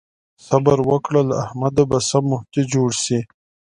صبر وکړه؛ له احمده به سم مفتي جوړ شي.